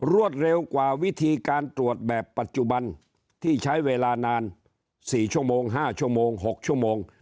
รวดเร็วกว่าวิธีการตรวจแบบปัจจุบันที่ใช้เวลานาน๔ชั่วโมง๕ชั่วโมง๖ชั่วโมง